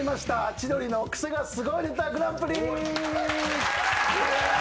『千鳥のクセがスゴいネタＧＰ』いやぁ。